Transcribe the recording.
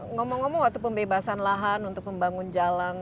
ngomong ngomong waktu pembebasan lahan untuk membangun jalan